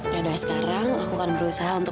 yaudah sekarang aku kan berusaha untuk